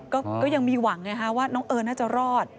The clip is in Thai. ก็ยังมีหวังไงฮะว่าน้องเอิญน่าจะรอด